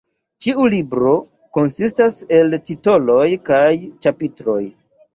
Ĉiu libro konsistas el titoloj kaj ĉapitroj.